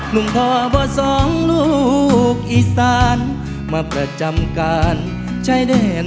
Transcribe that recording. ลุงทธ่อบ่อสองลูกอีสานมาประจำกันใช้เด้นมาเล่น